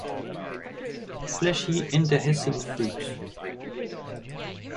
Fleshy indehiscent fruit.